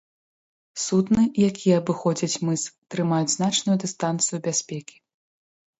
Судны, якія абыходзяць мыс, трымаюць значную дыстанцыю бяспекі.